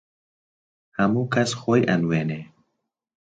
هەموو کەس خۆی ئەنوێنێ